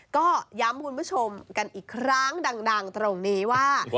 ก็ย้ำคุณผู้ชมกันอีกครั้งดังตรงนี้ว่า